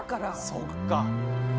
そっか。